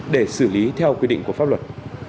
để xử lý theo quy định của pháp luật